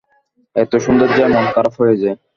এত সুন্দর যে মন খারাপ হয়ে যায়।